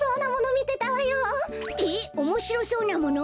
えっおもしろそうなもの？